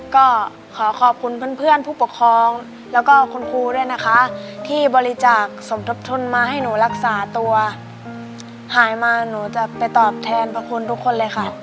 ก็ขอขอบคุณเพื่อนผู้ปกครองแล้วก็คุณครูด้วยนะคะที่บริจาคสมทบทุนมาให้หนูรักษาตัวหายมาหนูจะไปตอบแทนพระคุณทุกคนเลยค่ะ